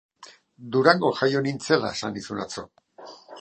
Durangon jaio nintzela esan nizun atzo